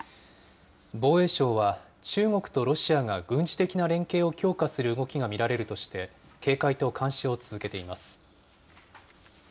防衛省は、中国とロシアが軍事的な連携を強化する動きが見られるとして、警戒と監視を続けています。